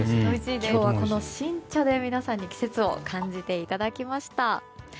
今日は新茶で皆さんに季節を感じていただきました。